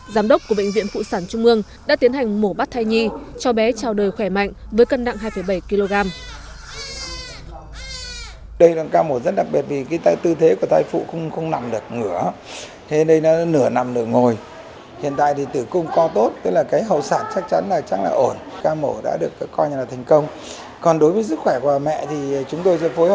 giám đốc của bệnh viện phụ sản trung ương đã tiến hành mổ bắt thai nhi cho bé chào đời khỏe mạnh với cân nặng hai bảy kg